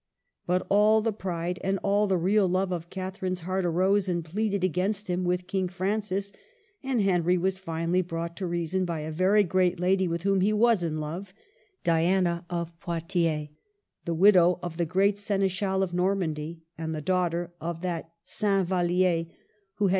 But all the pride and all the real love of Catherine's heart arose and pleaded against him with King Francis ; and Henry was finally brought to reason by a very great lady with whom he was in love, — Diana of Poictiers, the widow of the great Seneschal of Normandy, and the daughter of that Saint Vallier who had CHANGES.